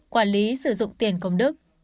quản lý sử dụng tiền công đức